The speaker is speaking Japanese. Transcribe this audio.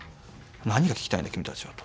何が聞きたいんだ君たちはと。